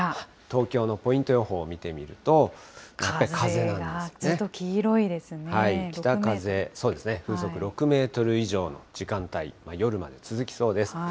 東京のポイント予報を見てみると、ずっと黄色いですね、６メーずっと風速６メートル以上の時間帯、夜まで続きそうです。